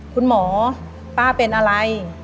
คุณหมอป้าเป็นอะไร